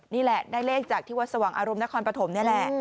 นี่แหละได้เลขจากที่วัดสว่างอารมณ์นครปฐมนี่แหละ